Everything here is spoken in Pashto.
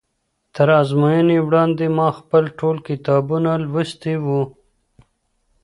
تر ازموینې وړاندې ما خپل ټول کتابونه لوستي وو.